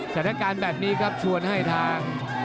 สถานการณ์แบบนี้ครับชวนให้ทาง